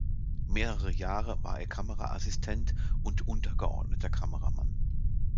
Mehrere Jahre war er Kameraassistent und untergeordneter Kameramann.